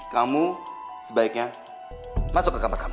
kamu sebaiknya masuk ke kamar kamu